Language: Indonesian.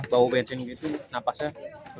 bau bensin gitu napasnya